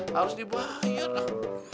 harus dibayar lah